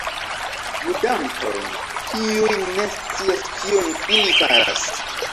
Ludantojn, kiuj ne scias kion ili faras...